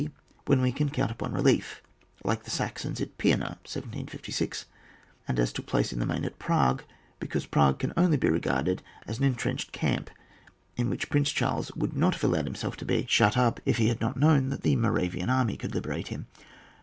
When we can count upon relief like the Saxons at Pima, 1756, and as took place in the main at Prague, because Prague could only be regarded as cm en trenched camp in which Prince Charles would not have allowed himself to be 116 ON WAR. [book VI. Bhut up if lie had not known that the Moravian army could liberate him.